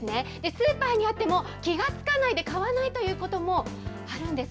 スーパーにあっても、気が付かないで買わないということもあるんです。